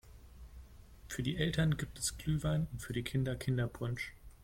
Für die Eltern gibt es Glühwein und für die Kinder Kinderpunsch.